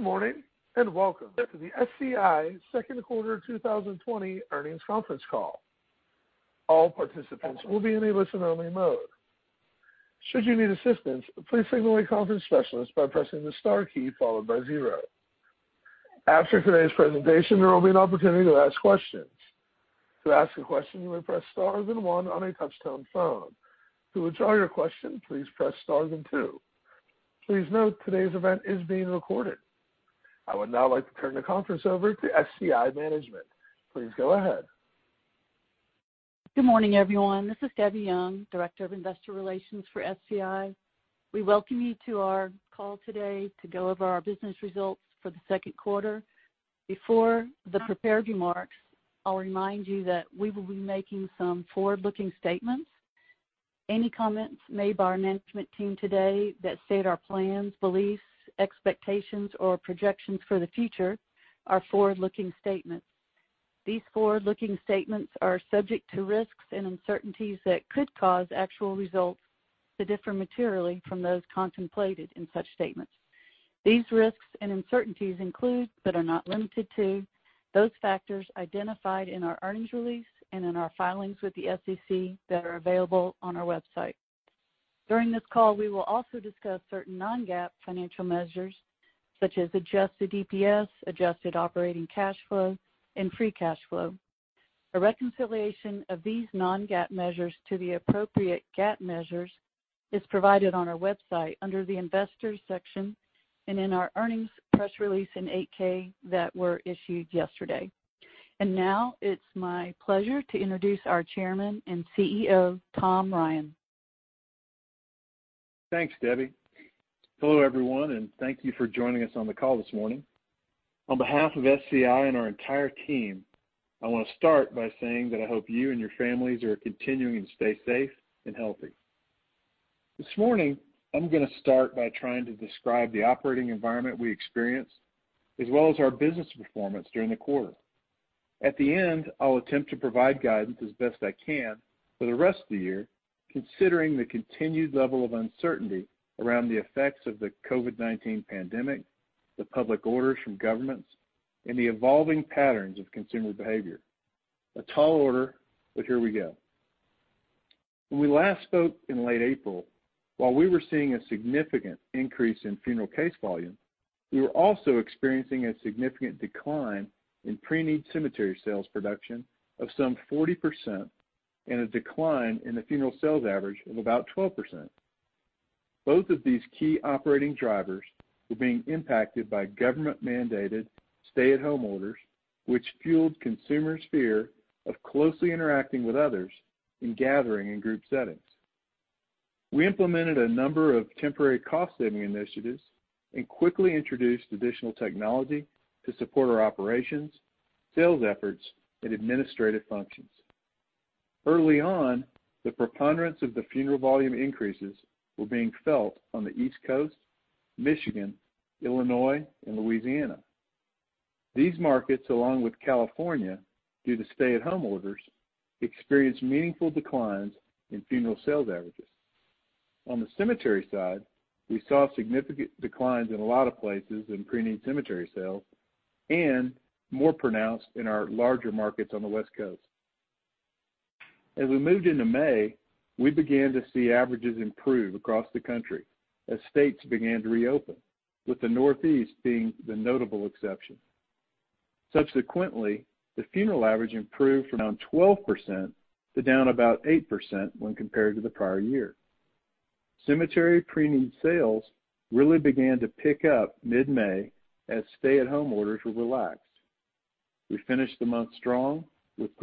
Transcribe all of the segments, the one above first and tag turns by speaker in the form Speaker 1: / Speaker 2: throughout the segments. Speaker 1: Good morning, and welcome to the SCI second quarter 2020 earnings conference call. All participants will be in a listen-only mode. Should you need assistance, please signal a conference specialist by pressing the star key followed by zero. After today's presentation, there will be an opportunity to ask questions. To ask a question, you may press star then one on a touch-tone phone. To withdraw your question, please press star then two. Please note today's event is being recorded. I would now like to turn the conference over to SCI management. Please go ahead.
Speaker 2: Good morning, everyone. This is Debbie Young, Director of Investor Relations for SCI. We welcome you to our call today to go over our business results for the second quarter. Before the prepared remarks, I'll remind you that we will be making some forward-looking statements. Any comments made by our management team today that state our plans, beliefs, expectations, or projections for the future are forward-looking statements. These forward-looking statements are subject to risks and uncertainties that could cause actual results to differ materially from those contemplated in such statements. These risks and uncertainties include, but are not limited to, those factors identified in our earnings release and in our filings with the SEC that are available on our website. During this call, we will also discuss certain non-GAAP financial measures such as adjusted EPS, adjusted operating cash flow, and free cash flow. A reconciliation of these non-GAAP measures to the appropriate GAAP measures is provided on our website under the Investors section and in our earnings press release and 8-K that were issued yesterday. Now it's my pleasure to introduce our Chairman and CEO, Tom Ryan.
Speaker 3: Thanks, Debbie. Hello, everyone, and thank you for joining us on the call this morning. On behalf of SCI and our entire team, I want to start by saying that I hope you and your families are continuing to stay safe and healthy. This morning, I'm going to start by trying to describe the operating environment we experienced as well as our business performance during the quarter. At the end, I'll attempt to provide guidance as best I can for the rest of the year, considering the continued level of uncertainty around the effects of the COVID-19 pandemic, the public orders from governments, and the evolving patterns of consumer behavior. A tall order, but here we go. When we last spoke in late April, while we were seeing a significant increase in funeral case volume, we were also experiencing a significant decline in preneed cemetery sales production of some 40% and a decline in the funeral sales average of about 12%. Both of these key operating drivers were being impacted by government-mandated stay-at-home orders, which fueled consumers' fear of closely interacting with others and gathering in group settings. We implemented a number of temporary cost-saving initiatives and quickly introduced additional technology to support our operations, sales efforts, and administrative functions. Early on, the preponderance of the funeral volume increases were being felt on the East Coast, Michigan, Illinois, and Louisiana. These markets, along with California, due to stay-at-home orders, experienced meaningful declines in funeral sales averages. On the cemetery side, we saw significant declines in a lot of places in preneed cemetery sales and more pronounced in our larger markets on the West Coast. As we moved into May, we began to see averages improve across the country as states began to reopen, with the Northeast being the notable exception. Subsequently, the funeral average improved from down 12% to down about 8% when compared to the prior year. Cemetery preneed sales really began to pick up mid-May as stay-at-home orders were relaxed. We finished the month strong with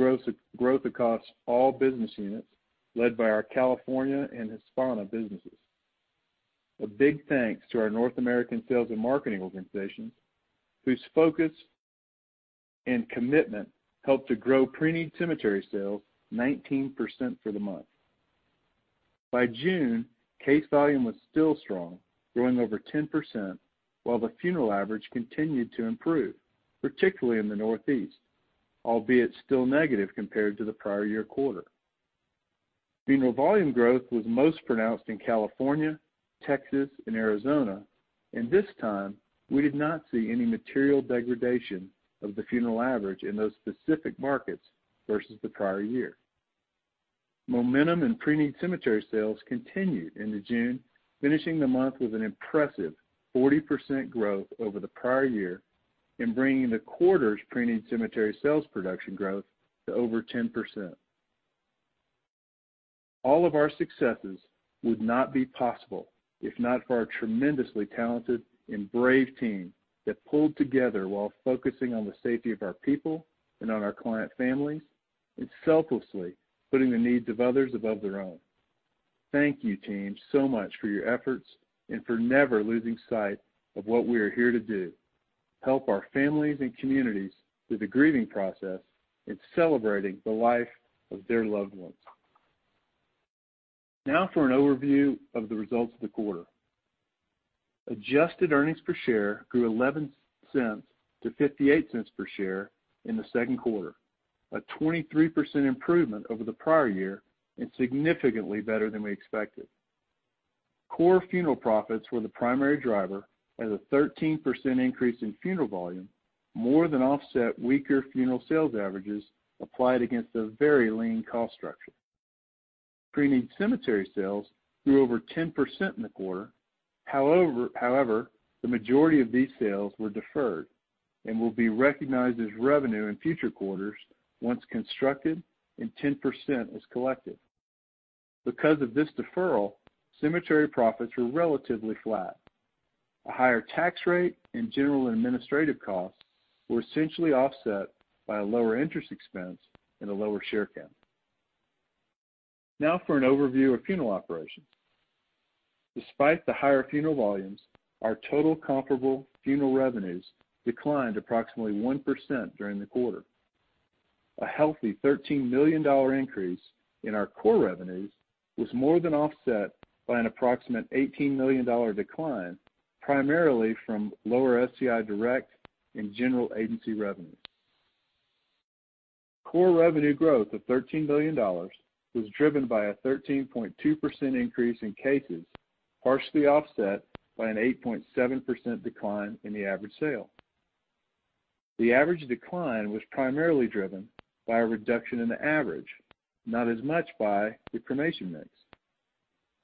Speaker 3: growth across all business units led by our California and Hispanic businesses. A big thanks to our North American sales and marketing organization, whose focus and commitment helped to grow preneed cemetery sales 19% for the month. By June, case volume was still strong, growing over 10%, while the funeral average continued to improve, particularly in the Northeast, albeit still negative compared to the prior-year quarter. Funeral volume growth was most pronounced in California, Texas, and Arizona, and this time, we did not see any material degradation of the funeral average in those specific markets versus the prior-year. Momentum in preneed cemetery sales continued into June, finishing the month with an impressive 40% growth over the prior-year and bringing the quarter's preneed cemetery sales production growth to over 10%. All of our successes would not be possible if not for our tremendously talented and brave team that pulled together while focusing on the safety of our people and on our client families and selflessly putting the needs of others above their own. Thank you, team, so much for your efforts and for never losing sight of what we are here to do, help our families and communities through the grieving process and celebrating the life of their loved ones. For an overview of the results of the quarter. adjusted earnings per share grew $0.11-$0.58 per share in the second quarter, a 23% improvement over the prior year and significantly better than we expected. Core funeral profits were the primary driver as a 13% increase in funeral volume more than offset weaker funeral sales averages applied against a very lean cost structure. preneed cemetery sales grew over 10% in the quarter. The majority of these sales were deferred and will be recognized as revenue in future quarters once constructed and 10% is collected. Because of this deferral, cemetery profits were relatively flat. A higher tax rate and general administrative costs were essentially offset by a lower interest expense and a lower share count. Now for an overview of funeral operations. Despite the higher funeral volumes, our total comparable funeral revenues declined approximately 1% during the quarter. A healthy $13 million increase in our core revenues was more than offset by an approximate $18 million decline, primarily from lower SCI Direct and general agency revenue. Core revenue growth of $13 million was driven by a 13.2% increase in cases, partially offset by an 8.7% decline in the average sale. The average decline was primarily driven by a reduction in the average, not as much by the cremation mix.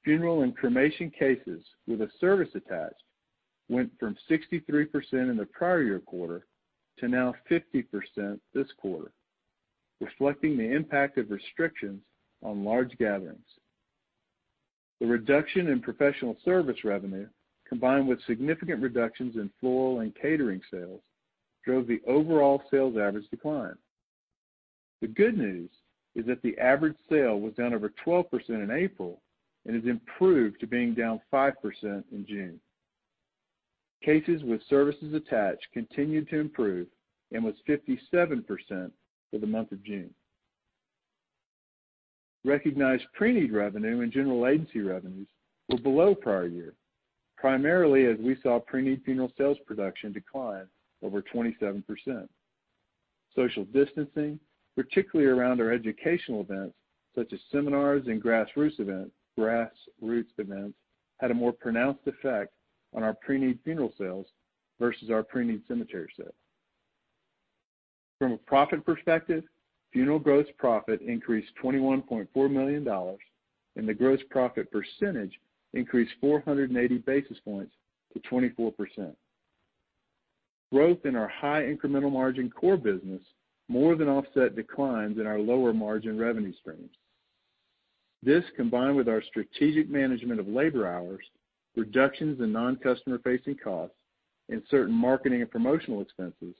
Speaker 3: Funeral and cremation cases with a service attached went from 63% in the prior year quarter to now 50% this quarter, reflecting the impact of restrictions on large gatherings. The reduction in professional service revenue, combined with significant reductions in floral and catering sales, drove the overall sales average decline. The good news is that the average sale was down over 12% in April and has improved to being down 5% in June. Cases with services attached continued to improve and was 57% for the month of June. Recognized preneed revenue and general agency revenues were below prior year, primarily as we saw preneed funeral sales production decline over 27%. Social distancing, particularly around our educational events such as seminars and grassroots events, had a more pronounced effect on our preneed funeral sales versus our preneed cemetery sales. From a profit perspective, funeral gross profit increased $21.4 million, and the gross profit percentage increased 480 basis points to 24%. Growth in our high incremental margin core business more than offset declines in our lower margin revenue streams. This, combined with our strategic management of labor hours, reductions in non-customer facing costs, and certain marketing and promotional expenses,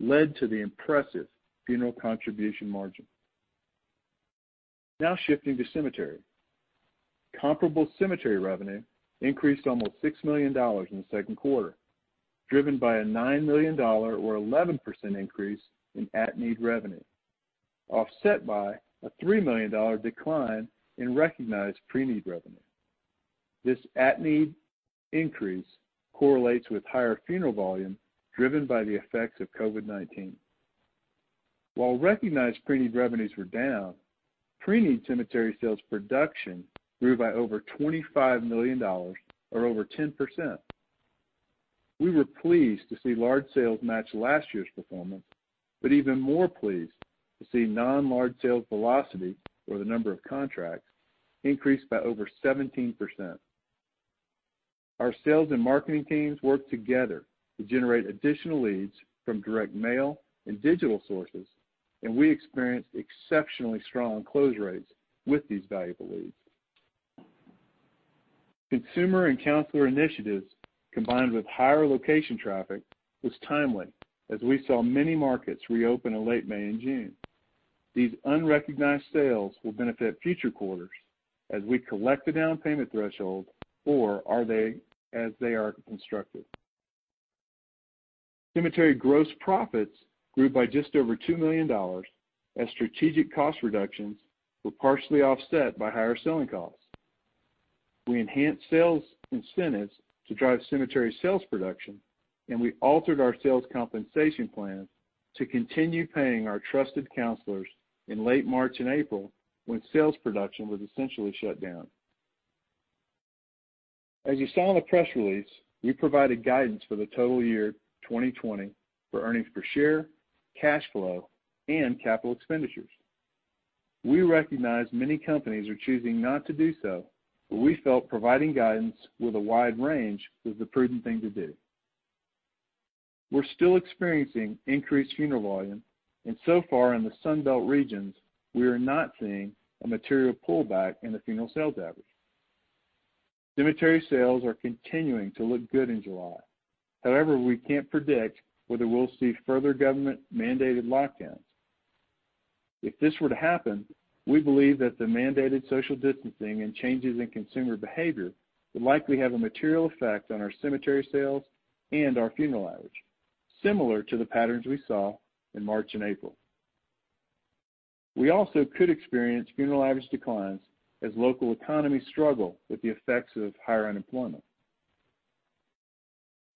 Speaker 3: led to the impressive funeral contribution margin. Shifting to cemetery. Comparable cemetery revenue increased almost $6 million in the second quarter, driven by a $9 million or 11% increase in at-need revenue, offset by a $3 million decline in recognized preneed revenue. This at-need increase correlates with higher funeral volume driven by the effects of COVID-19. While recognized preneed revenues were down, preneed cemetery sales production grew by over $25 million or over 10%. We were pleased to see large sales match last year's performance, even more pleased to see non-large sales velocity or the number of contracts increase by over 17%. Our sales and marketing teams worked together to generate additional leads from direct mail and digital sources, and we experienced exceptionally strong close rates with these valuable leads. Consumer and counselor initiatives, combined with higher location traffic, was timely as we saw many markets reopen in late May and June. These unrecognized sales will benefit future quarters as we collect the down payment threshold or as they are constructed. Cemetery gross profits grew by just over $2 million as strategic cost reductions were partially offset by higher selling costs. We enhanced sales incentives to drive cemetery sales production, and we altered our sales compensation plan to continue paying our trusted counselors in late March and April when sales production was essentially shut down. As you saw in the press release, we provided guidance for the total year 2020 for earnings per share, cash flow, and capital expenditures. We recognize many companies are choosing not to do so, but we felt providing guidance with a wide range was the prudent thing to do. We're still experiencing increased funeral volume, and so far in the Sun Belt regions, we are not seeing a material pullback in the funeral sales average. Cemetery sales are continuing to look good in July. However, we can't predict whether we'll see further government-mandated lockdowns. If this were to happen, we believe that the mandated social distancing and changes in consumer behavior would likely have a material effect on our cemetery sales and our funeral average, similar to the patterns we saw in March and April. We also could experience funeral average declines as local economies struggle with the effects of higher unemployment.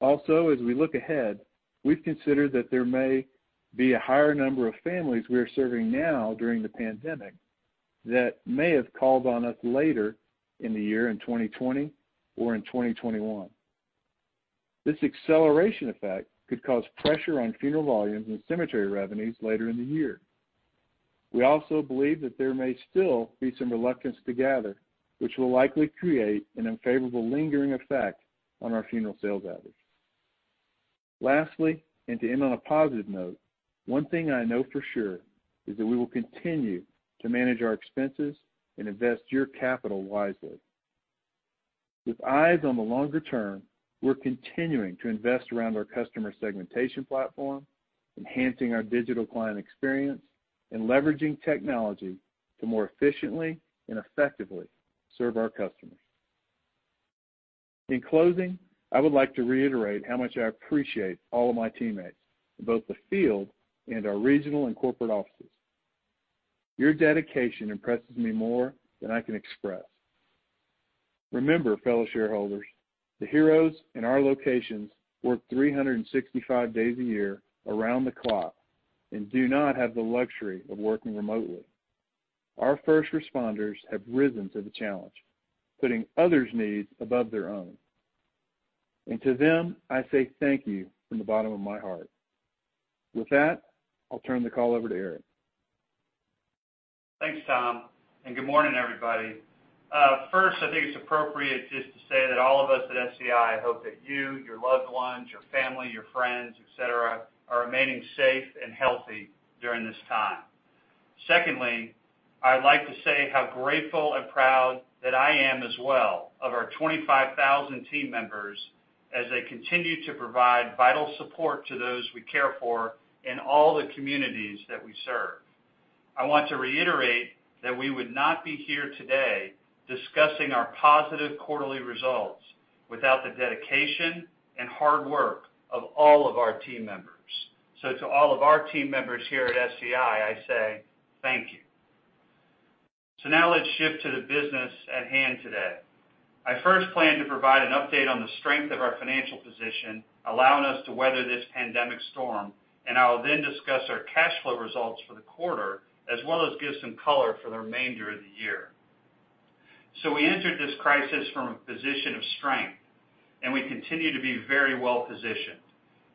Speaker 3: As we look ahead, we've considered that there may be a higher number of families we are serving now during the pandemic that may have called on us later in the year in 2020 or in 2021. This acceleration effect could cause pressure on funeral volumes and cemetery revenues later in the year. We also believe that there may still be some reluctance to gather, which will likely create an unfavorable lingering effect on our funeral sales average. Lastly, and to end on a positive note, one thing I know for sure is that we will continue to manage our expenses and invest your capital wisely. With eyes on the longer term, we're continuing to invest around our customer segmentation platform, enhancing our digital client experience, and leveraging technology to more efficiently and effectively serve our customers. In closing, I would like to reiterate how much I appreciate all of my teammates in both the field and our regional and corporate offices. Your dedication impresses me more than I can express. Remember, fellow shareholders, the heroes in our locations work 365 days a year around the clock and do not have the luxury of working remotely. Our first responders have risen to the challenge, putting others' needs above their own. To them, I say thank you from the bottom of my heart. With that, I'll turn the call over to Eric.
Speaker 4: Thanks, Tom. Good morning, everybody. First, I think it's appropriate just to say that all of us at SCI hope that you, your loved ones, your family, your friends, etc, are remaining safe and healthy during this time. Secondly, I'd like to say how grateful and proud that I am as well of our 25,000 team members as they continue to provide vital support to those we care for in all the communities that we serve. I want to reiterate that we would not be here today discussing our positive quarterly results without the dedication and hard work of all of our team members. To all of our team members here at SCI, I say thank you. Now let's shift to the business at hand today. I first plan to provide an update on the strength of our financial position, allowing us to weather this pandemic storm, and I will then discuss our cash flow results for the quarter, as well as give some color for the remainder of the year. We entered this crisis from a position of strength, and we continue to be very well-positioned.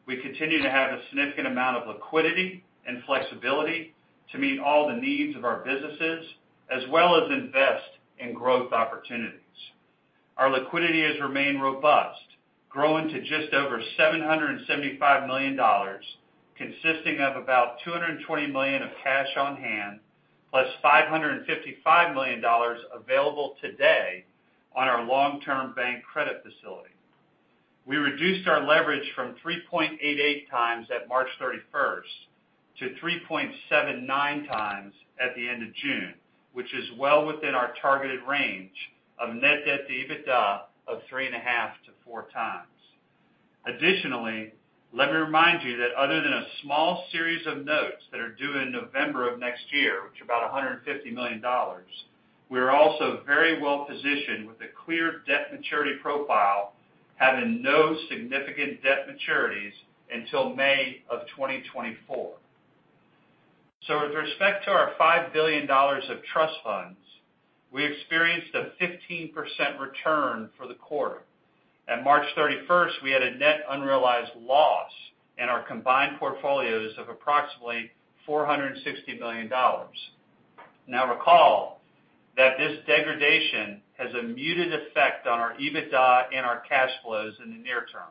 Speaker 4: We continue to have a significant amount of liquidity and flexibility to meet all the needs of our businesses, as well as invest in growth opportunities. Our liquidity has remained robust, growing to just over $775 million, consisting of about $220 million of cash on hand, plus $555 million available today on our long-term bank credit facility. We reduced our leverage from 3.88x at March 31st to 3.79x at the end of June, which is well within our targeted range of net debt to EBITDA of 3.5x-4x. Additionally, let me remind you that other than a small series of notes that are due in November of next year, which are about $150 million, we are also very well-positioned with a clear debt maturity profile, having no significant debt maturities until May of 2024. With respect to our $5 billion of trust funds, we experienced a 15% return for the quarter. At March 31st, we had a net unrealized loss in our combined portfolios of approximately $460 million. Recall that this degradation has a muted effect on our EBITDA and our cash flows in the near term,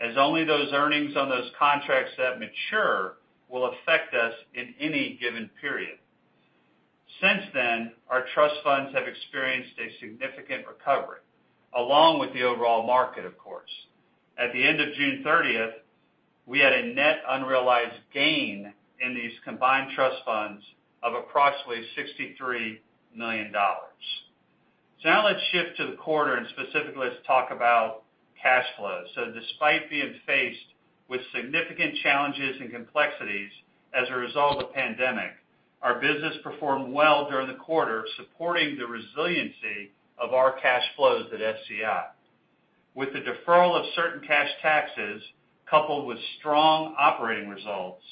Speaker 4: as only those earnings on those contracts that mature will affect us in any given period. Since then, our trust funds have experienced a significant recovery, along with the overall market, of course. At the end of June 30, we had a net unrealized gain in these combined trust funds of approximately $63 million. Now let's shift to the quarter, and specifically, let's talk about cash flow. Despite being faced with significant challenges and complexities as a result of the pandemic, our business performed well during the quarter, supporting the resiliency of our cash flows at SCI. With the deferral of certain cash taxes, coupled with strong operating results,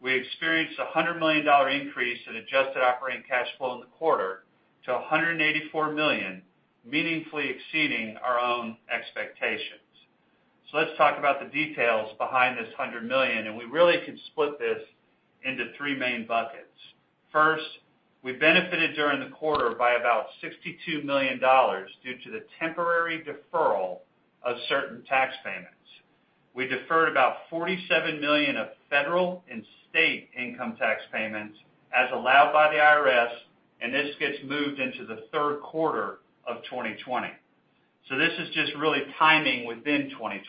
Speaker 4: we experienced a $100 million increase in adjusted operating cash flow in the quarter to $184 million, meaningfully exceeding our own expectations. Let's talk about the details behind this $100 million, we really can split this into three main buckets. First, we benefited during the quarter by about $62 million due to the temporary deferral of certain tax payments. We deferred about $47 million of federal and state income tax payments as allowed by the IRS, this gets moved into the third quarter of 2020. This is just really timing within 2020.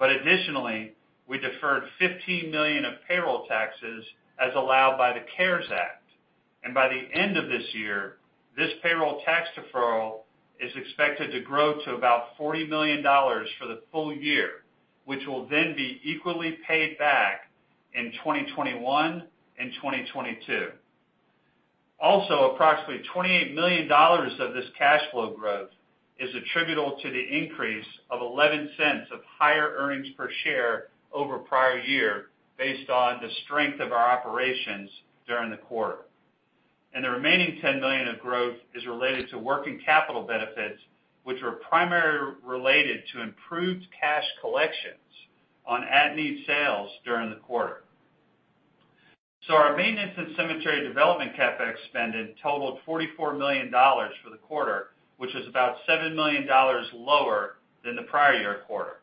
Speaker 4: Additionally, we deferred $15 million of payroll taxes as allowed by the CARES Act. By the end of this year, this payroll tax deferral is expected to grow to about $40 million for the full year, which will then be equally paid back in 2021 and 2022. Approximately $28 million of this cash flow growth is attributable to the increase of $0.11 of higher earnings per share over prior year based on the strength of our operations during the quarter. The remaining $10 million of growth is related to working capital benefits, which were primarily related to improved cash collections on at-need sales during the quarter. Our maintenance and cemetery development CapEx spending totaled $44 million for the quarter, which is about $7 million lower than the prior year quarter.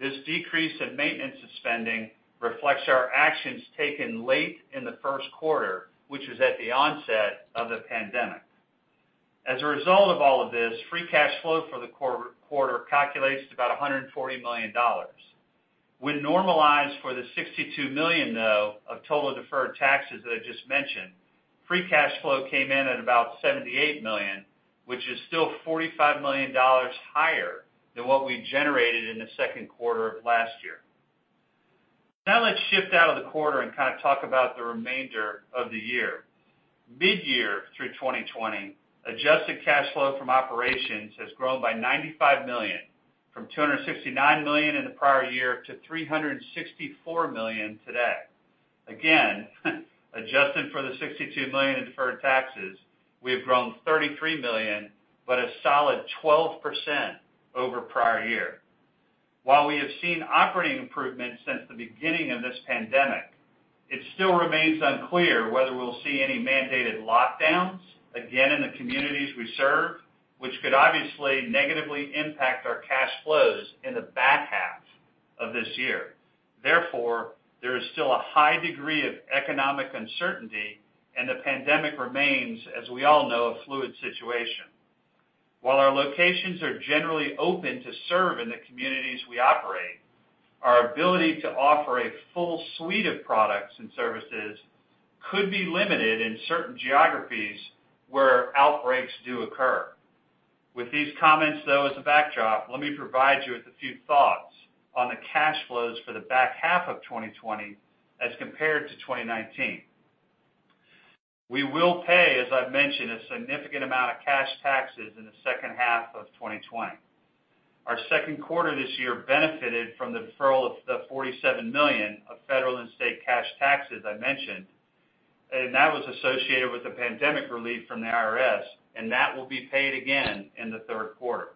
Speaker 4: This decrease in maintenance spending reflects our actions taken late in the first quarter, which was at the onset of the pandemic. As a result of all of this, free cash flow for the quarter calculates to about $140 million. When normalized for the $62 million, though, of total deferred taxes that I just mentioned, free cash flow came in at about $78 million, which is still $45 million higher than what we generated in the second quarter of last year. Let's shift out of the quarter and kind of talk about the remainder of the year. Mid-year through 2020, adjusted cash flow from operations has grown by $95 million, from $269 million in the prior year to $364 million today. Adjusted for the $62 million in deferred taxes, we have grown $33 million, but a solid 12% over prior year. While we have seen operating improvements since the beginning of this pandemic, it still remains unclear whether we'll see any mandated lockdowns again in the communities we serve, which could obviously negatively impact our cash flows in the back half of this year. Therefore, there is still a high degree of economic uncertainty, and the pandemic remains, as we all know, a fluid situation. While our locations are generally open to serve in the communities we operate, our ability to offer a full suite of products and services could be limited in certain geographies where outbreaks do occur. With these comments, though, as a backdrop, let me provide you with a few thoughts on the cash flows for the back half of 2020 as compared to 2019. We will pay, as I've mentioned, a significant amount of cash taxes in the second half of 2020. Our second quarter this year benefited from the deferral of the $47 million of federal and state cash taxes I mentioned, that was associated with the pandemic relief from the IRS, that will be paid again in the third quarter.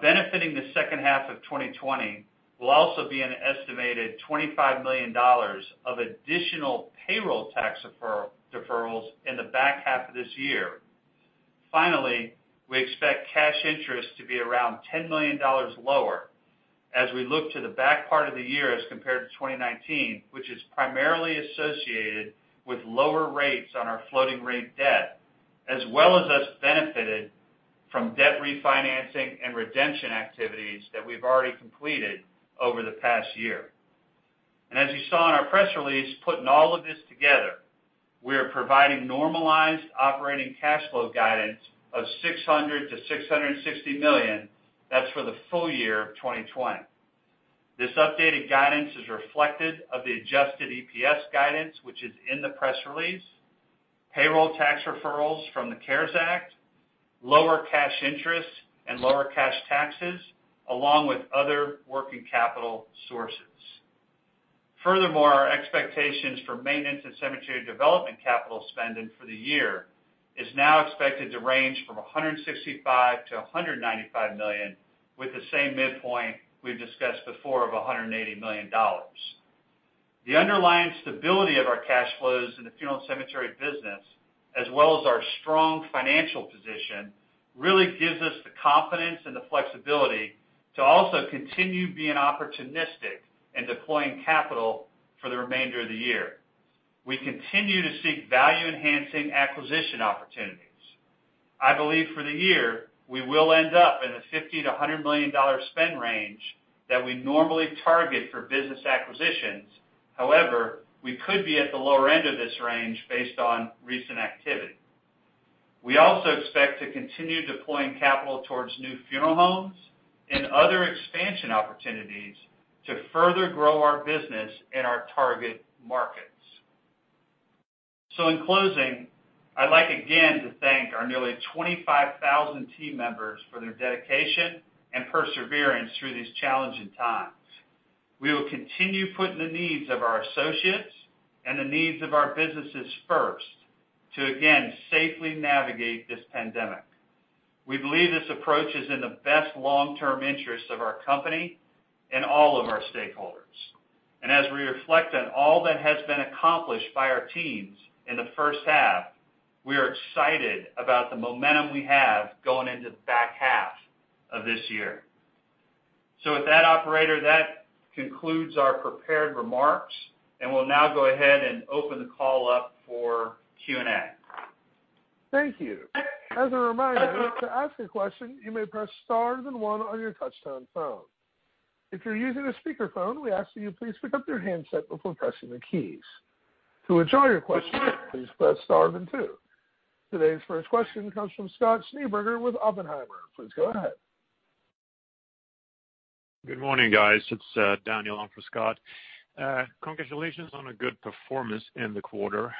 Speaker 4: Benefiting the second half of 2020 will also be an estimated $25 million of additional payroll tax deferrals in the back half of this year. Finally, we expect cash interest to be around $10 million lower as we look to the back part of the year as compared to 2019, which is primarily associated with lower rates on our floating rate debt, as well as us benefiting from debt refinancing and redemption activities that we've already completed over the past year. As you saw in our press release, putting all of this together, we are providing normalized operating cash flow guidance of $600 million-$660 million. That's for the full year of 2020. This updated guidance is reflective of the adjusted EPS guidance, which is in the press release, payroll tax deferrals from the CARES Act, lower cash interest, and lower cash taxes, along with other working capital sources. Our expectations for maintenance and cemetery development capital spending for the year is now expected to range from $165 million-$195 million with the same midpoint we've discussed before of $180 million. The underlying stability of our cash flows in the funeral and cemetery business, as well as our strong financial position, really gives us the confidence and the flexibility to also continue being opportunistic and deploying capital for the remainder of the year. We continue to seek value-enhancing acquisition opportunities. I believe for the year, we will end up in the $50 million-$100 million spend range that we normally target for business acquisitions. However, we could be at the lower end of this range based on recent activity. We also expect to continue deploying capital towards new funeral homes and other expansion opportunities to further grow our business in our target markets. In closing, I'd like again to thank our nearly 25,000 team members for their dedication and perseverance through these challenging times. We will continue putting the needs of our associates and the needs of our businesses first to again safely navigate this pandemic. We believe this approach is in the best long-term interest of our company and all of our stakeholders. As we reflect on all that has been accomplished by our teams in the first half, we are excited about the momentum we have going into the back half of this year. With that, operator, that concludes our prepared remarks, and we'll now go ahead and open the call up for Q&A.
Speaker 1: Thank you. As a reminder, to ask a question, you may press star then one on your touchtone phone. If you're using a speakerphone, we ask that you please pick up your handset before pressing the keys. To withdraw your question, please press star then two. Today's first question comes from Scott Schneeberger with Oppenheimer. Please go ahead.
Speaker 5: Good morning, guys. It's Daniel Hultberg from Scott. Congratulations on a good performance in the quarter.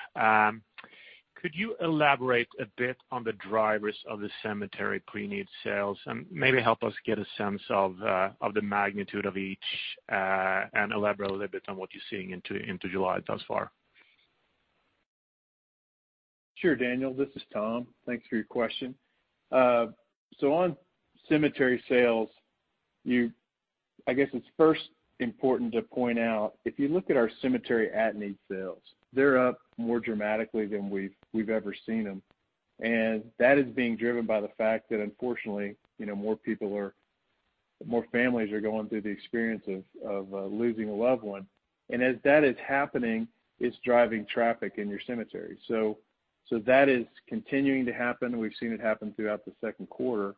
Speaker 5: Could you elaborate a bit on the drivers of the cemetery pre-need sales, and maybe help us get a sense of the magnitude of each, and elaborate a little bit on what you're seeing into July thus far?
Speaker 3: Sure, Daniel. This is Tom. Thanks for your question. On cemetery sales, I guess it's first important to point out, if you look at our cemetery at-need sales, they're up more dramatically than we've ever seen them. That is being driven by the fact that unfortunately, more families are going through the experience of losing a loved one. As that is happening, it's driving traffic in your cemetery. That is continuing to happen. We've seen it happen throughout the second quarter.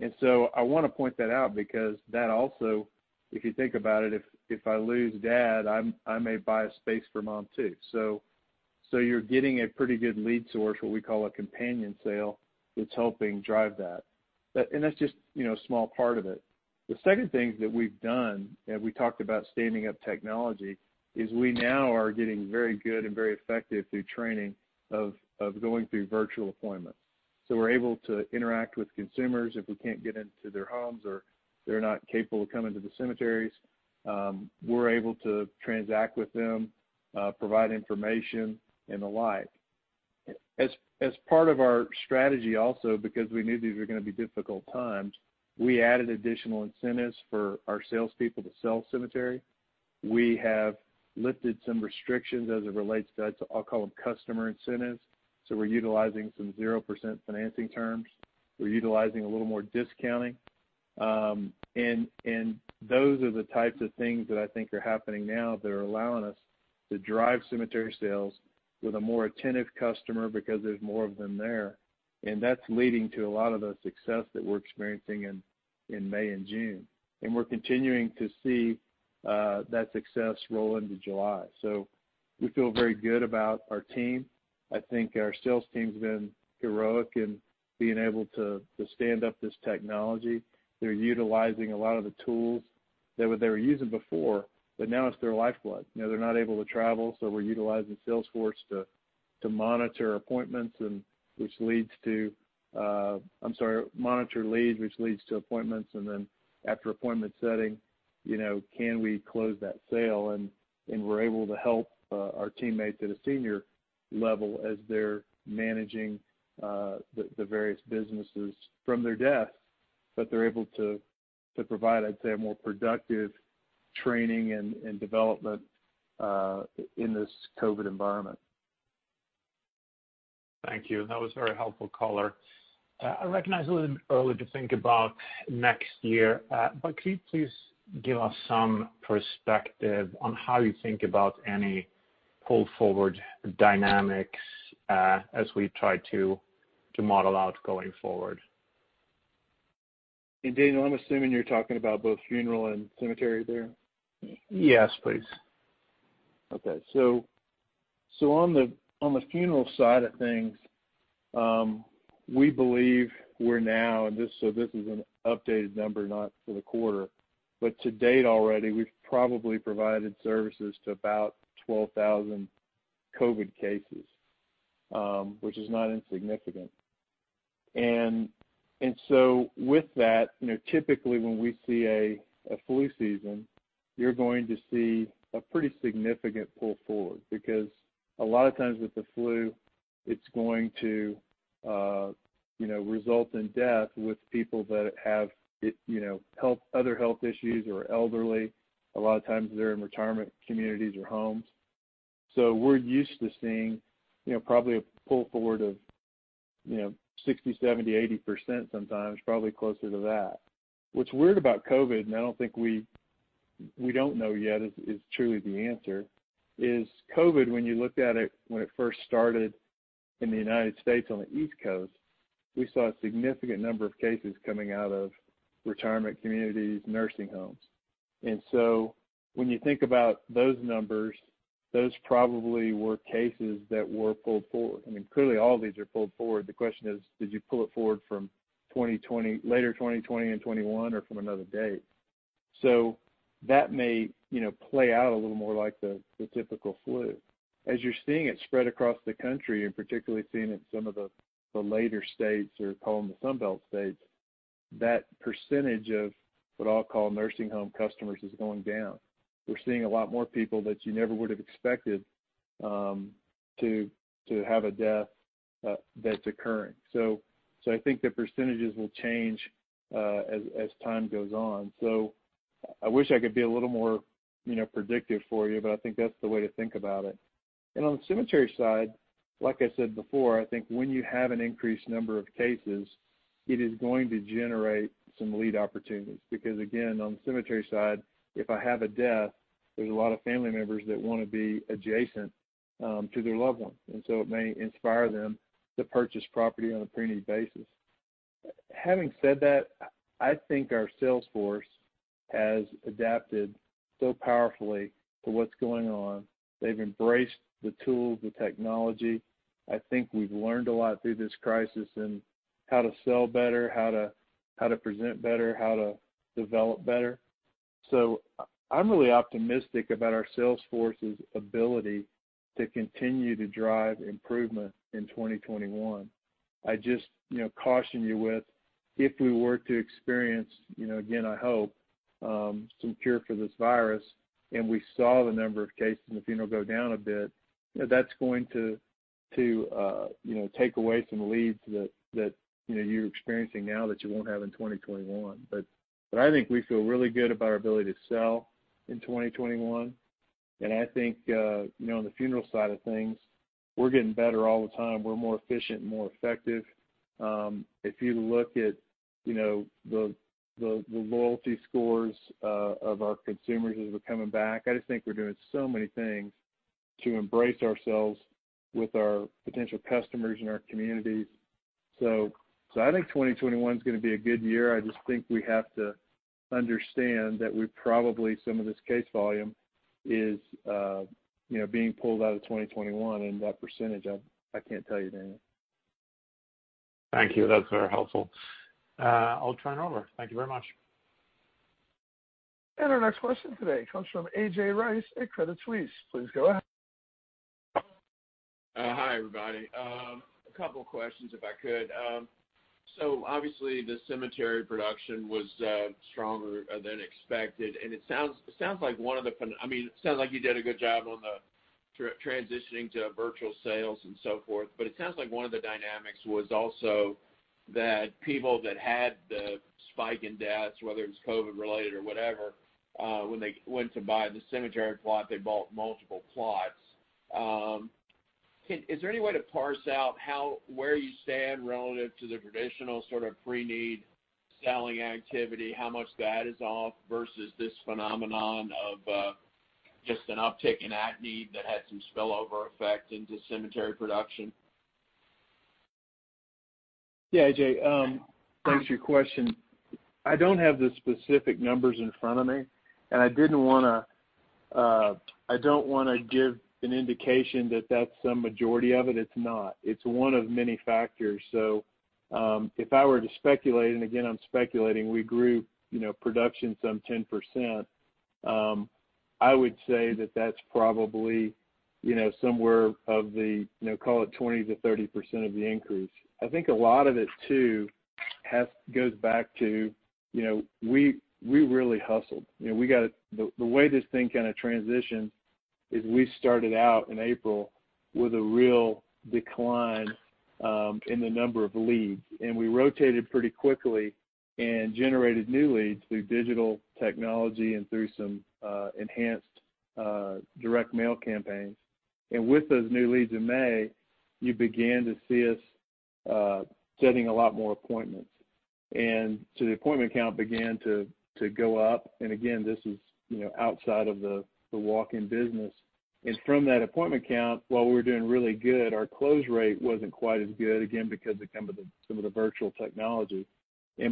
Speaker 3: I want to point that out because that also, if you think about it, if I lose dad, I may buy a space for mom too. You're getting a pretty good lead source, what we call a companion sale, that's helping drive that. That's just a small part of it. The second thing that we've done, and we talked about standing up technology, is we now are getting very good and very effective through training of going through virtual appointments. We're able to interact with consumers if we can't get into their homes or they're not capable of coming to the cemeteries. We're able to transact with them, provide information and the like. As part of our strategy also, because we knew these were going to be difficult times, we added additional incentives for our salespeople to sell cemetery. We have lifted some restrictions as it relates to, I'll call them customer incentives. We're utilizing some 0% financing terms. We're utilizing a little more discounting. Those are the types of things that I think are happening now that are allowing us to drive cemetery sales with a more attentive customer because there's more of them there, and that's leading to a lot of the success that we're experiencing in May and June. We're continuing to see that success roll into July. We feel very good about our team. I think our sales team's been heroic in being able to stand up this technology. They're utilizing a lot of the tools that they were using before, but now it's their lifeblood. They're not able to travel, so we're utilizing Salesforce to monitor leads, which leads to appointments. Then after appointment setting, can we close that sale? We're able to help our teammates at a senior level as they're managing the various businesses from their desk, but they're able to provide, I'd say, a more productive training and development in this COVID environment.
Speaker 5: Thank you. That was a very helpful caller. I recognize it's a little bit early to think about next year, but could you please give us some perspective on how you think about any pull-forward dynamics as we try to model out going forward?
Speaker 3: Daniel, I'm assuming you're talking about both funeral and cemetery there?
Speaker 5: Yes, please.
Speaker 3: Okay. On the funeral side of things, we believe we're now, this is an updated number, not for the quarter, but to date already, we've probably provided services to about 12,000 COVID cases, which is not insignificant. With that, typically when we see a flu season, you're going to see a pretty significant pull forward, because a lot of times with the flu, it's going to result in death with people that have other health issues or are elderly. A lot of times they're in retirement communities or homes. We're used to seeing probably a pull forward of 60%, 70%, 80% sometimes, probably closer to that. What's weird about COVID, and we don't know yet is truly the answer, is COVID, when you looked at it when it first started in the U.S. on the East Coast, we saw a significant number of cases coming out of retirement communities, nursing homes. When you think about those numbers, those probably were cases that were pulled forward. Clearly all these are pulled forward. The question is, did you pull it forward from later 2020 and 2021 or from another date? That may play out a little more like the typical flu. As you're seeing it spread across the country, and particularly seeing it in some of the later states or call them the Sun Belt states, that percentage of what I'll call nursing home customers is going down. We're seeing a lot more people that you never would have expected to have a death that's occurring. I think the percentages will change as time goes on. I wish I could be a little more predictive for you, but I think that's the way to think about it. On the cemetery side, like I said before, I think when you have an increased number of cases, it is going to generate some lead opportunities. Again, on the cemetery side, if I have a death, there's a lot of family members that want to be adjacent to their loved one. It may inspire them to purchase property on a pre-need basis. Having said that, I think our sales force has adapted so powerfully to what's going on. They've embraced the tools, the technology. I think we've learned a lot through this crisis and how to sell better, how to present better, how to develop better. I'm really optimistic about our sales force's ability to continue to drive improvement in 2021. I just caution you with, if we were to experience, again, I hope, some cure for this virus, and we saw the number of cases in the funeral go down a bit, that's going to take away some leads that you're experiencing now that you won't have in 2021. I think we feel really good about our ability to sell in 2021, and I think on the funeral side of things, we're getting better all the time. We're more efficient and more effective. If you look at the loyalty scores of our consumers as we're coming back, I just think we're doing so many things to embrace ourselves with our potential customers and our communities. I think 2021 is going to be a good year. I just think we have to understand that we probably, some of this case volume is being pulled out of 2021. That percentage, I can't tell you, Daniel.
Speaker 5: Thank you. That's very helpful. I'll turn it over. Thank you very much.
Speaker 1: Our next question today comes from A.J. Rice at Credit Suisse. Please go ahead.
Speaker 6: Hi, everybody. A couple of questions, if I could. Obviously, the cemetery production was stronger than expected, and it sounds like you did a good job on the transitioning to virtual sales and so forth. It sounds like one of the dynamics was also that people that had the spike in deaths, whether it's COVID related or whatever, when they went to buy the cemetery plot, they bought multiple plots. Is there any way to parse out where you stand relative to the traditional sort of preneed selling activity? How much that is off versus this phenomenon of just an uptick in at need that had some spillover effect into cemetery production?
Speaker 3: Yeah, A.J., thanks for your question. I don't have the specific numbers in front of me, and I don't want to give an indication that that's the majority of it. It's not. It's one of many factors. If I were to speculate, and again, I'm speculating, we grew production some 10%, I would say that that's probably somewhere of the, call it 20%-30% of the increase. I think a lot of it too, goes back to we really hustled. The way this thing kind of transitioned is we started out in April with a real decline in the number of leads, and we rotated pretty quickly and generated new leads through digital technology and through some enhanced direct mail campaigns. With those new leads in May, you began to see us setting a lot more appointments, the appointment count began to go up. Again, this is outside of the walk-in business. From that appointment count, while we were doing really good, our close rate wasn't quite as good, again, because of some of the virtual technology.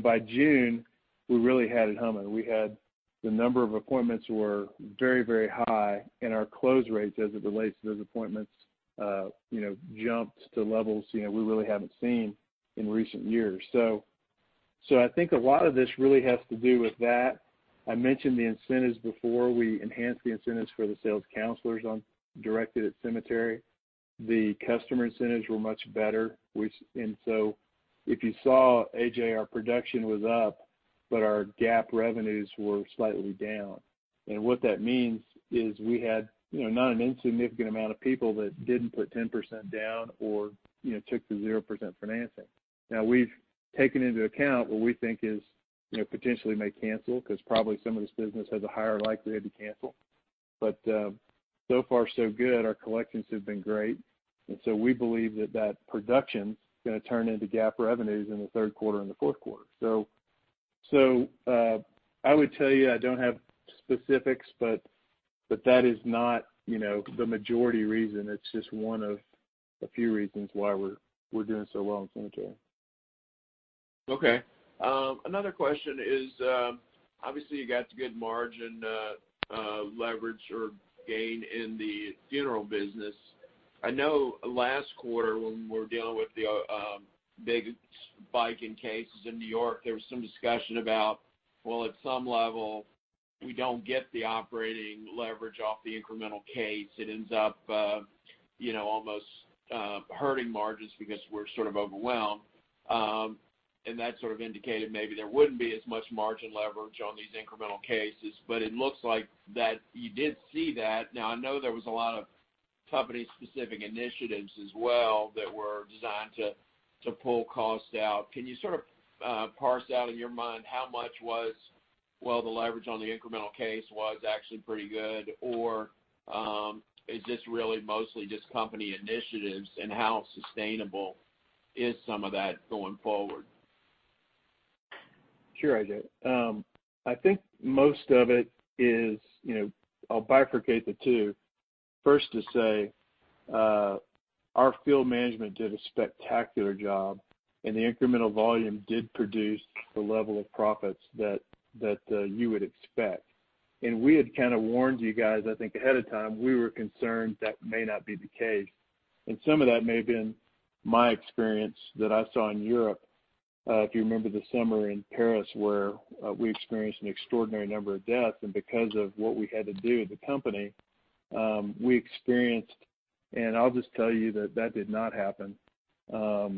Speaker 3: By June, we really had it humming. We had the number of appointments were very, very high, and our close rates as it relates to those appointments jumped to levels we really haven't seen in recent years. I think a lot of this really has to do with that. I mentioned the incentives before. We enhanced the incentives for the sales counselors directed at cemetery. The customer incentives were much better. If you saw, A.J., our production was up, but our GAAP revenues were slightly down. What that means is we had not an insignificant amount of people that didn't put 10% down or took the 0% financing. Now we've taken into account what we think is potentially may cancel, because probably some of this business has a higher likelihood to cancel. So far so good. Our collections have been great. We believe that production is going to turn into GAAP revenues in the third quarter and the fourth quarter. I would tell you, I don't have specifics, but that is not the majority reason. It's just one of a few reasons why we're doing so well in cemetery.
Speaker 6: Okay. Another question is obviously you got the good margin leverage or gain in the funeral business. I know last quarter when we were dealing with the big spike in cases in New York, there was some discussion about, well, at some level, we don't get the operating leverage off the incremental case. It ends up almost hurting margins because we're sort of overwhelmed. That sort of indicated maybe there wouldn't be as much margin leverage on these incremental cases, but it looks like that you did see that. Now, I know there was a lot of company-specific initiatives as well that were designed to pull costs out. Can you sort of parse out in your mind how much was, well, the leverage on the incremental case was actually pretty good? Is this really mostly just company initiatives, and how sustainable is some of that going forward?
Speaker 3: Sure, A.J. I think most of it is, I'll bifurcate the two. First to say our field management did a spectacular job, and the incremental volume did produce the level of profits that you would expect. We had kind of warned you guys, I think ahead of time, we were concerned that may not be the case. Some of that may have been my experience that I saw in Europe. If you remember the summer in Paris, where we experienced an extraordinary number of deaths. Because of what we had to do as a company, I'll just tell you that that did not happen. Our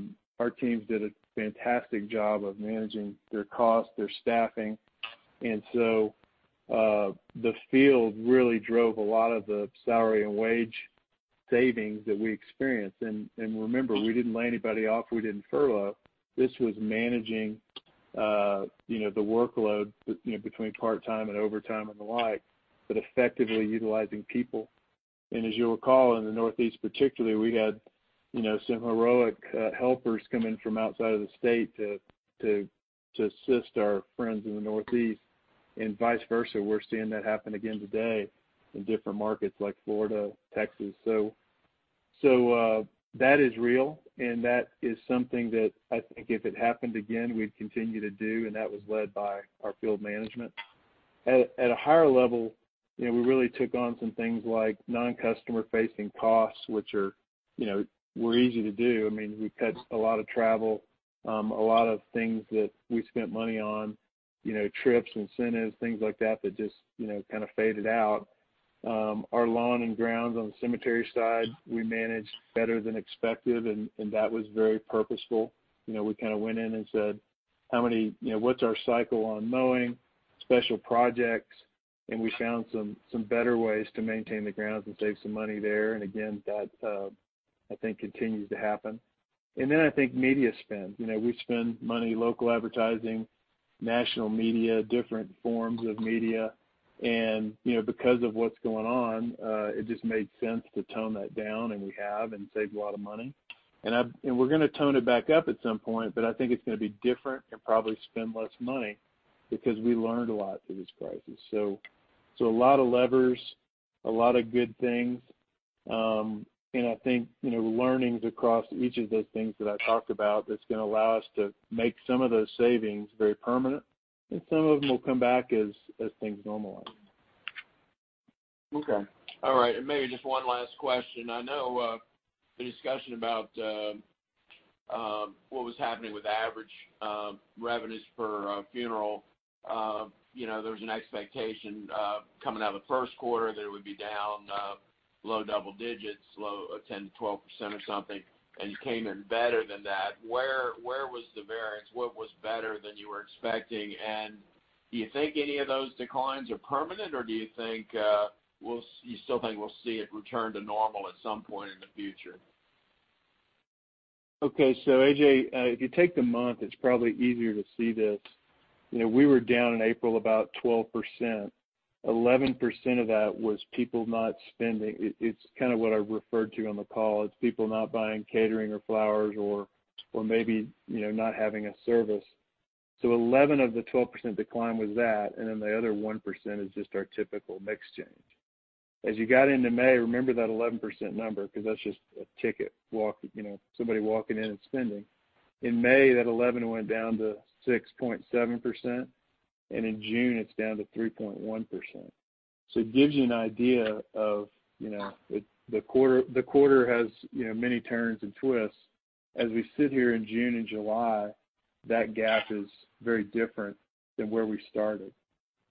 Speaker 3: teams did a fantastic job of managing their costs, their staffing. So, the field really drove a lot of the salary and wage savings that we experienced. Remember, we didn't lay anybody off. We didn't furlough. This was managing the workload between part-time and overtime and the like, but effectively utilizing people. As you'll recall, in the Northeast particularly, we had some heroic helpers come in from outside of the state to assist our friends in the Northeast and vice versa. We're seeing that happen again today in different markets like Florida, Texas. That is real, and that is something that I think if it happened again, we'd continue to do, and that was led by our field management. At a higher level, we really took on some things like non-customer facing costs, which were easy to do. We cut a lot of travel, a lot of things that we spent money on, trips, incentives, things like that just kind of faded out. Our lawn and grounds on the cemetery side, we managed better than expected, and that was very purposeful. We kind of went in and said, "What's our cycle on mowing, special projects?" We found some better ways to maintain the grounds and save some money there. Again, that, I think, continues to happen. I think media spend. We spend money local advertising, national media, different forms of media. Because of what's going on, it just made sense to tone that down, and we have, and saved a lot of money. We're going to tone it back up at some point, but I think it's going to be different and probably spend less money because we learned a lot through this crisis. A lot of levers, a lot of good things. I think, learnings across each of those things that I talked about, that's going to allow us to make some of those savings very permanent, and some of them will come back as things normalize.
Speaker 6: Okay. All right. Maybe just one last question. I know, the discussion about what was happening with average revenues for a funeral. There was an expectation, coming out of the first quarter that it would be down low double digits, low 10%-12% or something, and you came in better than that. Where was the variance? What was better than you were expecting? Do you think any of those declines are permanent, or do you still think we'll see it return to normal at some point in the future?
Speaker 3: Okay. A.J., if you take the month, it's probably easier to see this. We were down in April about 12%. 11% of that was people not spending. It's kind of what I referred to on the call. It's people not buying catering or flowers or maybe not having a service. 11 of the 12% decline was that, and then the other 1% is just our typical mix change. As you got into May, remember that 11% number, because that's just a ticket, somebody walking in and spending. In May, that 11% went down to 6.7%, and in June, it's down to 3.1%. It gives you an idea of the quarter has many turns and twists. As we sit here in June and July, that gap is very different than where we started.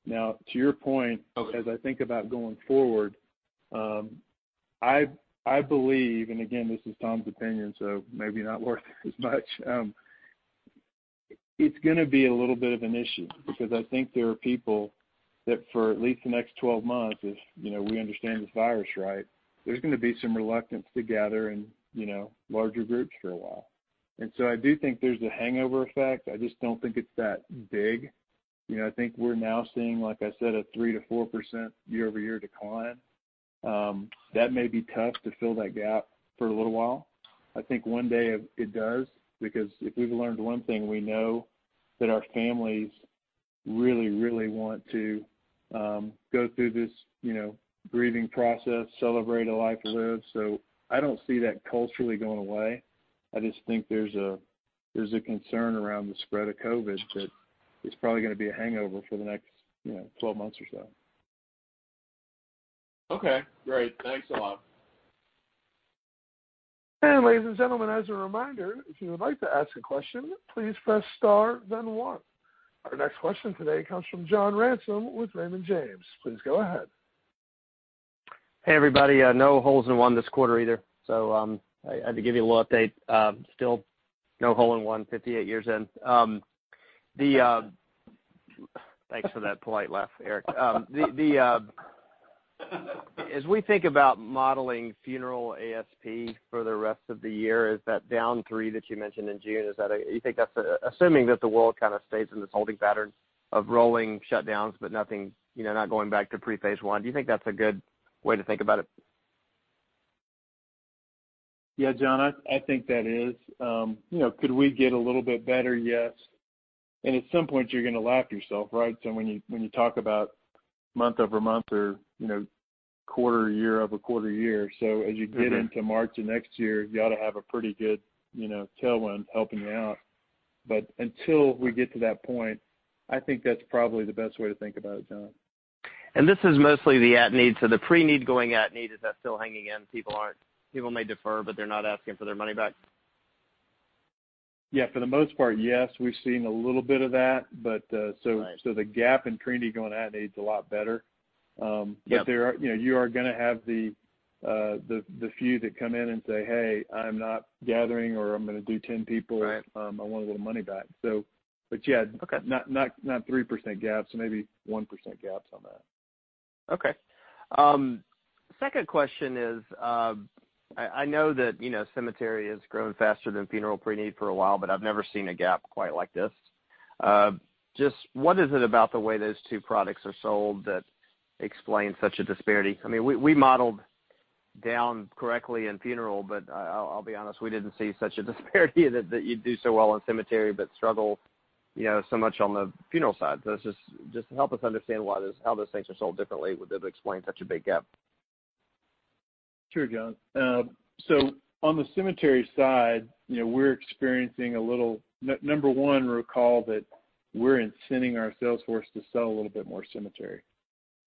Speaker 3: Now, to your point.
Speaker 6: Okay
Speaker 3: As I think about going forward, I believe, and again, this is Tom's opinion, so maybe not worth as much. It's going to be a little bit of an issue because I think there are people that for at least the next 12 months, if we understand this virus right, there's going to be some reluctance to gather in larger groups for a while. I do think there's a hangover effect. I just don't think it's that big. I think we're now seeing, like I said, a 3%-4% year-over-year decline. That may be tough to fill that gap for a little while. I think one day it does because if we've learned one thing, we know that our families really, really want to go through this grieving process, celebrate a life lived. I don't see that culturally going away. I just think there's a concern around the spread of COVID that it's probably going to be a hangover for the next 12 months or so.
Speaker 6: Okay, great. Thanks a lot.
Speaker 1: Ladies and gentlemen, as a reminder, if you would like to ask a question, please press star then one. Our next question today comes from John Ransom with Raymond James. Please go ahead.
Speaker 7: Hey everybody, no holes in one this quarter either. I had to give you a little update. Still no hole in one 58 years in. Thanks for that polite laugh, Eric. As we think about modeling funeral ASP for the rest of the year, is that down three that you mentioned in June? Do you think that's, assuming that the world kind of stays in this holding pattern of rolling shutdowns, but not going back to pre-phase I, do you think that's a good way to think about it?
Speaker 3: Yeah, John, I think that is. Could we get a little bit better? Yes. At some point, you're going to lap yourself, right? When you talk about month-over-month or quarter year over quarter year. As you get into March of next year, you ought to have a pretty good tailwind helping you out. Until we get to that point, I think that's probably the best way to think about it, John.
Speaker 7: This is mostly the at need. The pre-need going at need, is that still hanging in? People may defer, but they're not asking for their money back?
Speaker 3: Yeah, for the most part, yes. We've seen a little bit of that.
Speaker 7: Right.
Speaker 3: The gap in preneed going at need is a lot better.
Speaker 7: Yep.
Speaker 3: You are going to have the few that come in and say, "Hey, I'm not gathering," or, "I'm going to do 10 people.
Speaker 7: Right.
Speaker 3: I want a little money back." Yeah.
Speaker 7: Okay.
Speaker 3: Not 3% gaps, maybe 1% gaps on that.
Speaker 7: Okay. Second question is, I know that cemetery has grown faster than funeral preneed for a while, but I've never seen a gap quite like this. Just what is it about the way those two products are sold that explains such a disparity? We modeled down correctly in funeral, but I'll be honest, we didn't see such a disparity that you'd do so well in cemetery, but struggle so much on the funeral side. Just help us understand how those things are sold differently that would explain such a big gap.
Speaker 3: Sure, John. On the cemetery side, we're experiencing a little number one, recall that we're incenting our sales force to sell a little bit more cemetery.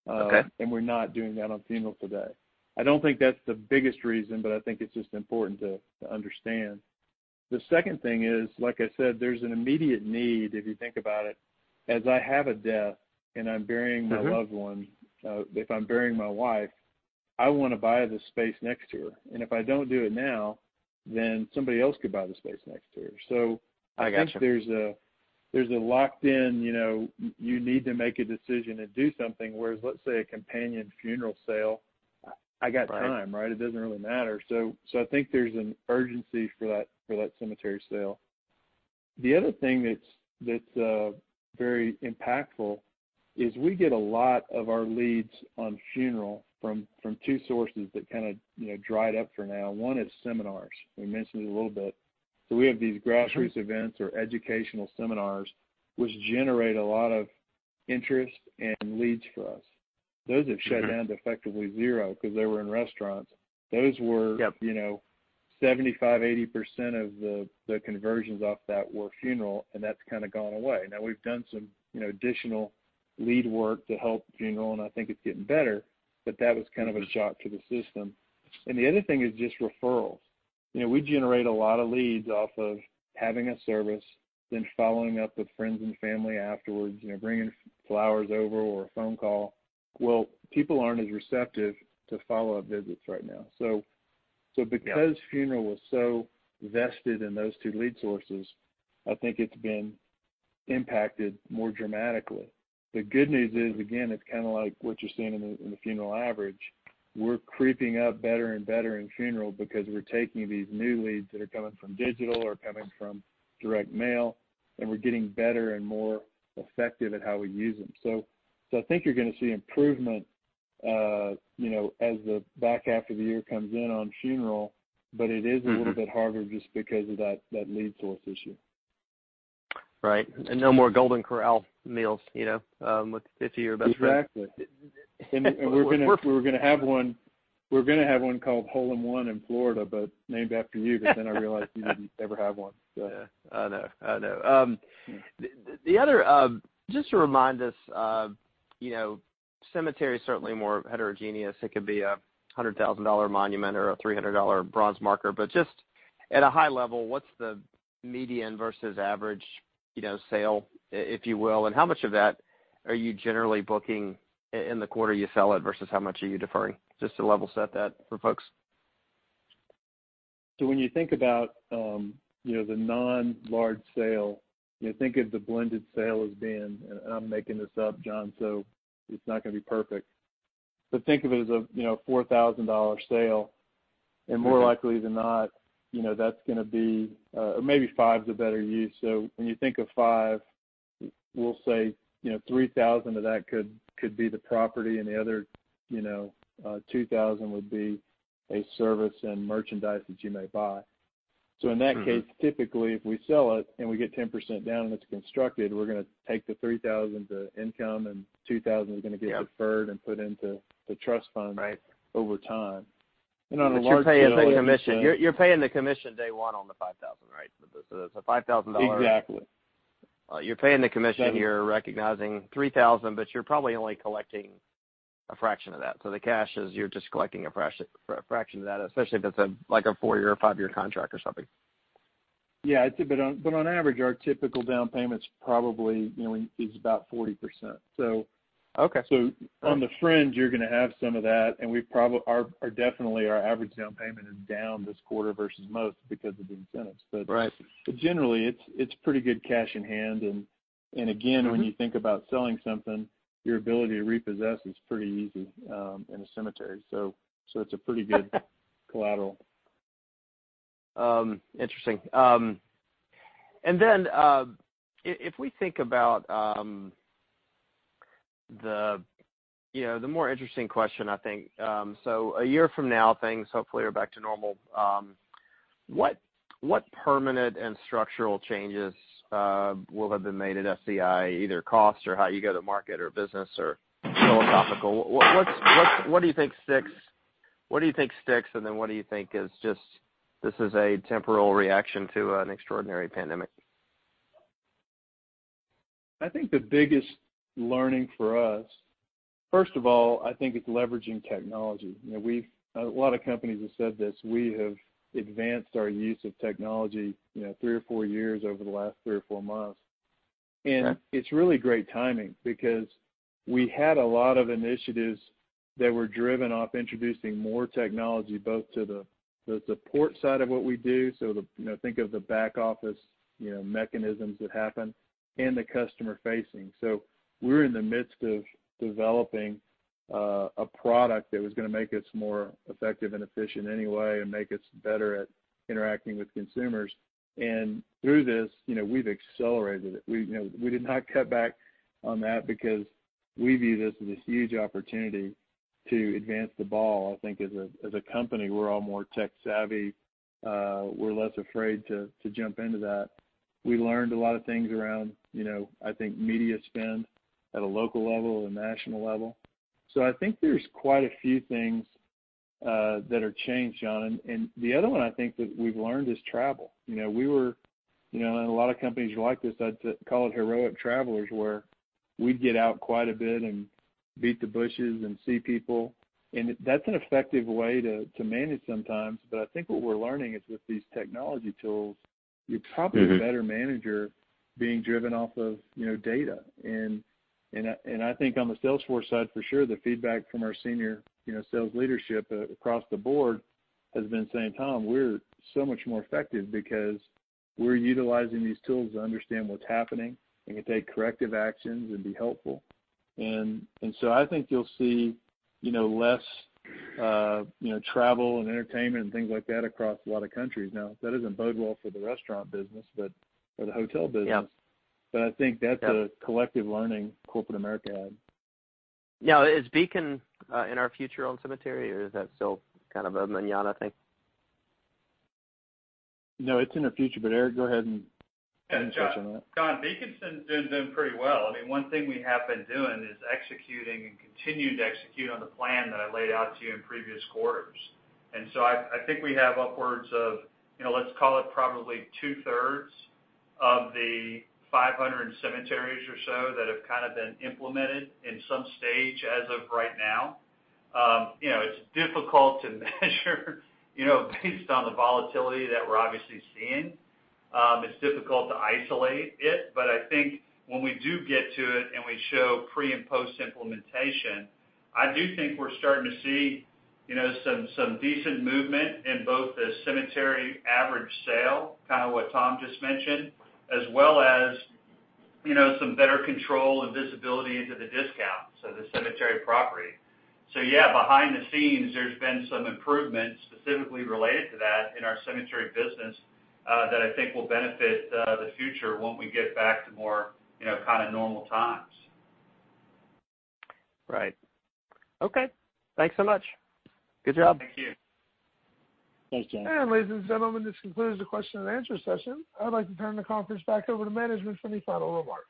Speaker 7: Okay.
Speaker 3: We're not doing that on funeral today. I don't think that's the biggest reason, but I think it's just important to understand. The second thing is, like I said, there's an immediate need if you think about it. As I have a death and I'm burying- my loved one, if I'm burying my wife, I want to buy the space next to her. If I don't do it now, then somebody else could buy the space next to her.
Speaker 7: I got you.
Speaker 3: I think there's a locked in, you need to make a decision and do something, whereas let's say a companion funeral sale, I got time, right?
Speaker 7: Right.
Speaker 3: It doesn't really matter. I think there's an urgency for that cemetery sale. The other thing that's very impactful is we get a lot of our leads on funeral from two sources that kind of dried up for now. One is seminars. We mentioned it a little bit. We have these grassroots events or educational seminars, which generate a lot of interest and leads for us. Those have shut down to effectively zero because they were in restaurants. Those were-
Speaker 7: Yep
Speaker 3: 75%-80% of the conversions off that were funeral, and that's kind of gone away. Now we've done some additional lead work to help funeral, and I think it's getting better, but that was kind of a shock to the system. The other thing is just referrals. We generate a lot of leads off of having a service, then following up with friends and family afterwards, bringing flowers over or a phone call. Well, people aren't as receptive to follow-up visits right now.
Speaker 7: Yeah
Speaker 3: So because funeral was so vested in those two lead sources, I think it's been impacted more dramatically. The good news is, again, it's kind of like what you're seeing in the funeral average. We're creeping up better and better in funeral because we're taking these new leads that are coming from digital or coming from direct mail, and we're getting better and more effective at how we use them. I think you're going to see improvement as the back half of the year comes in on funeral but it's a little bit harder just because of that lead source issue.
Speaker 7: Right. No more Golden Corral meals, with 50 of your best friends.
Speaker 3: Exactly. We were going to have one called Hole In One in Florida, but named after you, but then I realized you didn't ever have one.
Speaker 7: Yeah. I know. The other, just to remind us, cemetery is certainly more heterogeneous. It could be a $100,000 monument or a $300 bronze marker, but just at a high level, what's the median versus average sale, if you will, and how much of that are you generally booking in the quarter you sell it versus how much are you deferring? Just to level set that for folks.
Speaker 3: When you think about the non-large sale, you think of the blended sale as being, and I'm making this up, John, so it's not going to be perfect, but think of it as a $4,000 sale, and more likely than not, that's going to be. Maybe five's a better use. When you think of five, we'll say $3,000 of that could be the property and the other $2,000 would be a service and merchandise that you may buy. In that case- typically, if we sell it and we get 10% down and it's constructed, we're going to take the $3,000 to income and $2,000-
Speaker 7: Yep
Speaker 3: deferred and put into the trust fund-
Speaker 7: Right
Speaker 3: over time.
Speaker 7: You're paying the commission day 1 on the 5,000, right? It's a $5,000.
Speaker 3: Exactly.
Speaker 7: You're paying the commission.
Speaker 3: Seven
Speaker 7: You're recognizing $3,000, but you're probably only collecting a fraction of that. You're just collecting a fraction of that, especially if it's a four-year or five-year contract or something.
Speaker 3: Yeah. On average, our typical down payment's probably about 40%.
Speaker 7: Okay
Speaker 3: On the fringe, you're going to have some of that, and definitely our average down payment is down this quarter versus most because of the incentives.
Speaker 7: Right
Speaker 3: Generally, it's pretty good cash in hand when you think about selling something, your ability to repossess is pretty easy in a cemetery. It's a pretty good collateral.
Speaker 7: Interesting. If we think about the more interesting question, I think. A year from now, things hopefully are back to normal. What permanent and structural changes will have been made at SCI, either cost or how you go to market or business or philosophical? What do you think sticks, what do you think is just, this is a temporal reaction to an extraordinary pandemic?
Speaker 3: I think the biggest learning for us, first of all, I think it's leveraging technology. A lot of companies have said this. We have advanced our use of technology, three or four years over the last three or four months.
Speaker 7: Yeah.
Speaker 3: It's really great timing because we had a lot of initiatives that were driven off introducing more technology both to the support side of what we do, so think of the back office, mechanisms that happen, and the customer facing. We're in the midst of developing a product that was going to make us more effective and efficient anyway and make us better at interacting with consumers. Through this, we've accelerated it. We did not cut back on that because we view this as this huge opportunity to advance the ball. I think as a company, we're all more tech-savvy. We're less afraid to jump into that. We learned a lot of things around, I think media spend at a local level and national level. I think there's quite a few things that are changed, John, the other one I think that we've learned is travel. A lot of companies are like this, I'd call it heroic travelers, where we'd get out quite a bit and beat the bushes and see people. That's an effective way to manage sometimes. I think what we're learning is with these technology tools- you're probably the better manager being driven off of data. I think on the Salesforce side for sure, the feedback from our senior sales leadership across the board has been saying, "Tom, we're so much more effective because we're utilizing these tools to understand what's happening, and can take corrective actions and be helpful." I think you'll see less travel and entertainment and things like that across a lot of countries. That doesn't bode well for the restaurant business, but for the hotel business.
Speaker 7: Yeah.
Speaker 3: I think that's a collective learning corporate America had.
Speaker 7: Is Beacon in our future on cemetery, or is that still kind of a mañana thing?
Speaker 3: No, it's in the future. Eric, go ahead and touch on that.
Speaker 4: Yeah, John, Beacon's been doing pretty well. One thing we have been doing is executing and continuing to execute on the plan that I laid out to you in previous quarters. I think we have upwards of, let's call it probably two-thirds of the 500 cemeteries or so that have kind of been implemented in some stage as of right now. It's difficult to measure based on the volatility that we're obviously seeing. It's difficult to isolate it, I think when we do get to it and we show pre- and post-implementation, I do think we're starting to see some decent movement in both the cemetery average sale, kind of what Tom just mentioned, as well as some better control and visibility into the discount, so the cemetery property. Yeah, behind the scenes, there's been some improvements specifically related to that in our cemetery business, that I think will benefit the future when we get back to more kind of normal times.
Speaker 7: Right. Okay, thanks so much. Good job.
Speaker 3: Thank you.
Speaker 4: Thank you.
Speaker 1: Ladies and gentlemen, this concludes the question and answer session. I'd like to turn the conference back over to management for any final remarks.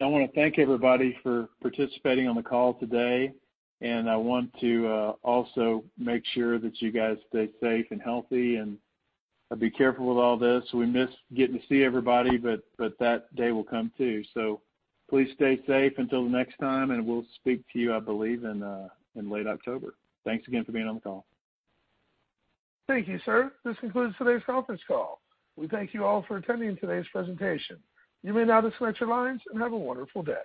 Speaker 3: I want to thank everybody for participating on the call today. I want to also make sure that you guys stay safe and healthy, and be careful with all this. We miss getting to see everybody. That day will come, too. Please stay safe until the next time, and we'll speak to you, I believe, in late October. Thanks again for being on the call.
Speaker 1: Thank you, sir. This concludes today's conference call. We thank you all for attending today's presentation. You may now disconnect your lines, and have a wonderful day.